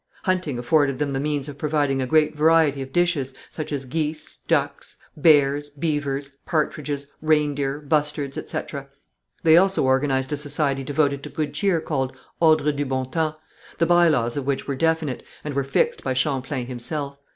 Hunting afforded them the means of providing a great variety of dishes, such as geese, ducks, bears, beavers, partridges, reindeer, bustards, etc. They also organized a society devoted to good cheer called, Ordre du Bon Temps, the by laws of which were definite, and were fixed by Champlain himself.